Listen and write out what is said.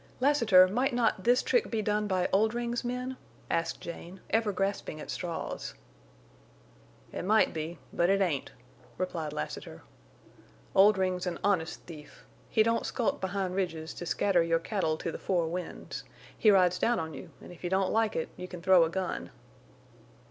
"Lassiter, might not this trick be done by Oldring's men?" asked Jane, ever grasping at straws. "It might be, but it ain't," replied Lassiter. "Oldring's an honest thief. He don't skulk behind ridges to scatter your cattle to the four winds. He rides down on you, an' if you don't like it you can throw a gun."